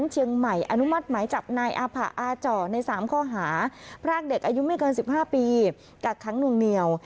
หาพรากเด็กอายุไม่เกิน๑๕ปีกัดขังเหนียว